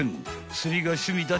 ［釣りが趣味だ